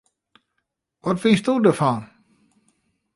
Wat fynsto derfan?